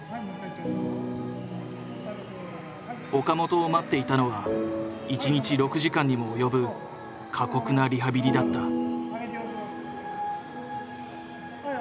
岡本を待っていたのは一日６時間にも及ぶ過酷なリハビリだった。